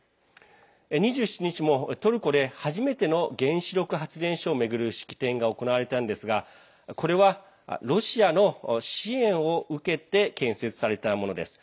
２７日もトルコで初めての原子力発電所を巡る式典が行われたんですがこれはロシアの支援を受けて建設されたものです。